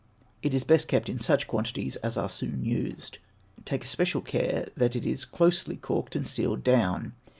It is best to keep it in such quantities as are soon used. Take especial care that it is closely corked and sealed down.